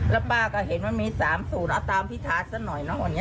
แล้วป้าก็เห็นว่ามี๓ศูนย์ออตรามพิธรสักหน่อยเนาะคราวนี้